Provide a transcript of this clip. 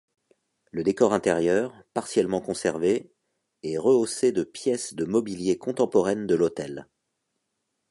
Le décor intérieur, partiellement conservé, est rehaussé de pièces de mobilier contemporaines de l'hôtel.